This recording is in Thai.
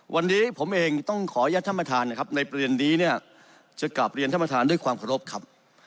วันนี้ผมเองต้องขออนุญาตท่านประธานนะครับในประเด็นนี้เนี่ยจะกลับเรียนท่านประธานด้วยความเคารพครับ